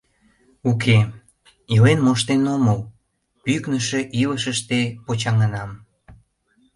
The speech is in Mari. Уке, илен моштен омыл, пӱкнышӧ илышыште почаҥынам.